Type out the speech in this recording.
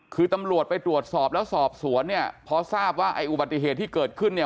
คือตำรวจไปตรวจสอบแล้วสอบสวนเนี่ยพอทราบว่าไอ้อุบัติเหตุที่เกิดขึ้นเนี่ย